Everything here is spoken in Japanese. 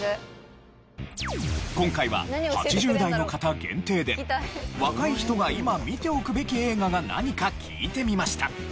今回は８０代の方限定で若い人が今見ておくべき映画が何か聞いてみました。